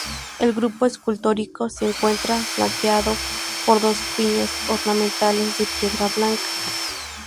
El grupo escultórico se encuentra flanqueado por dos piñas ornamentales, de piedra blanca.